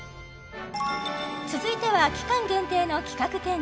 続いては期間限定の企画展示